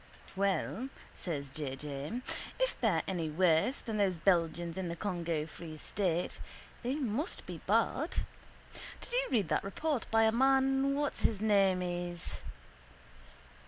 —Well, says J. J., if they're any worse than those Belgians in the Congo Free State they must be bad. Did you read that report by a man what's this his name is?